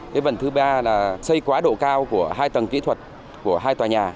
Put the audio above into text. cái vần thứ ba là xây quá độ cao của hai tầng kỹ thuật của hai tòa nhà